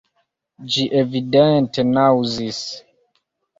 Ĝi evidente naŭzis.